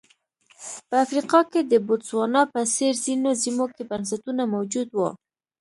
په افریقا کې د بوتسوانا په څېر ځینو سیمو کې بنسټونه موجود وو.